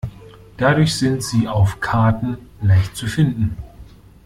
Dadurch sind sie auf Karten leicht zu finden.